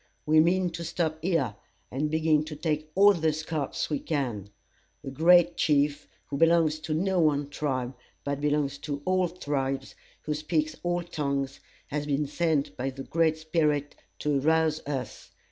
We mean to stop here, and begin to take all the scalps we can. A great chief, who belongs to no one tribe, but belongs to all tribes, who speaks all tongues, has been sent by the Great Spirit to arouse us.